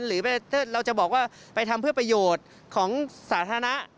หรือถ้าเราจะบอกว่าไปทำเพื่อประโยชน์ของสาธารณะ